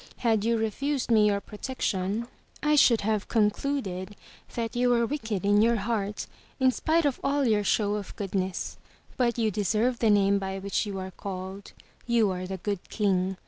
Had you refused me your protection, I should have concluded that you were wicked in your heart, in spite of all your show of goodness. But you deserve the name by which you are called; you are the Good King.